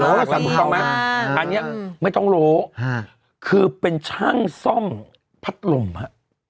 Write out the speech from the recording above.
รู้สัมพาลอันนี้ไม่ต้องรู้คือเป็นช่างซ่อมพัดลมฮะ